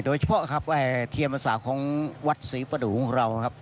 โดยเฉพาะเทียมศาสตร์ของวัดศรีประดูกของเรา